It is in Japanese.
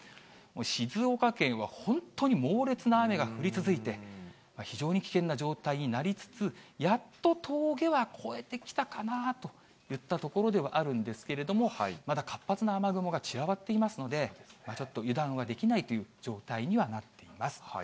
静岡県は本当に猛烈な雨が降り続いて、非常に危険な状態になりつつ、やっと峠は越えてきたかなといったところではあるんですけれども、まだ活発な雨雲が散らばっていますので、ちょっと油断はできないという状態にはなっています。